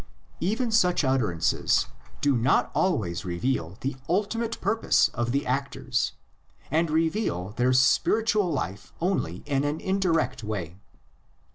Even such utterances do not always reveal the ultimate purpose of the actors, and reveal their spirit ual life only in an indirect way.